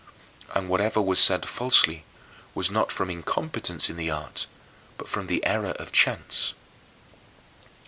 And whatever was said falsely was not from incompetence in the art, but from the error of chance.